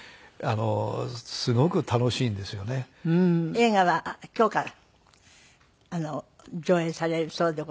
映画は今日から上映されるそうでございますので。